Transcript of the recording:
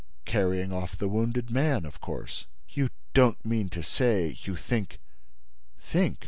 "Carrying off the wounded man, of course!" "You don't mean to say you think—?" "Think?